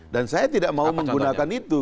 dan saya tidak mau menggunakan itu